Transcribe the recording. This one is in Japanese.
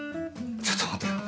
ちょっと待てよ。